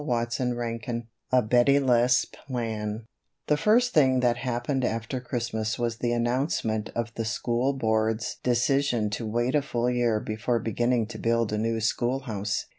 CHAPTER XXVIII A Bettie less Plan THE first thing that happened after Christmas was the announcement of the School Board's decision to wait a full year before beginning to build a new schoolhouse.